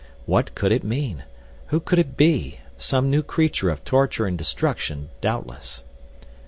What could it mean? Who could it be? Some new creature of torture and destruction, doubtless.